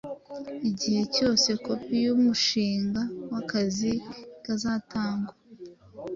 igihe cyose kopi yumushinga wakazi kazatangwa